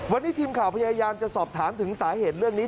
วันนี้ทีมข่าวพยายามจะสอบถามถึงสาเหตุเรื่องนี้